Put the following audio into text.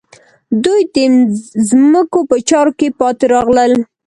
دوی د ځمکو په چارو کې پاتې راغلل.